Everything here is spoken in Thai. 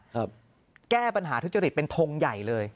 แก้ปัญหาทุจริตเป็นทงใหญ่เลย